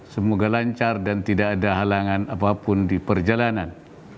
semoga lancar dan tidak ada halangan apapun di perjalanan